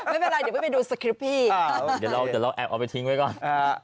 ไม่เป็นไรเดี๋ยวไปดูสคริปพี่เดี๋ยวเราแอบเอาไปทิ้งไว้ก่อน